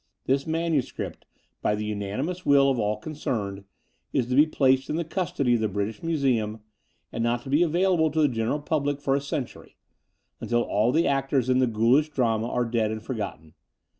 This manuscript, by the unanimous will of all con cerned, is to be placed in the custody of the British Museum, and not to be available to the general public for a century — ^until all the actors in the ghoulish drama are dead and forgotten.